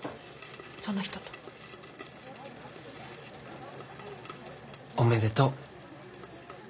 その人と。おめでとう。